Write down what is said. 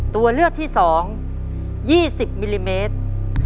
ตัวเลือกที่๒๒๐มิลลิเมตร